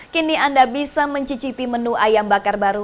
kini anda bisa mencicipi menu ayam bakar baru